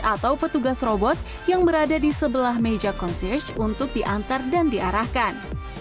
atau petugas robot yang berada di sebelah meja konserch untuk diantar dan diarahkan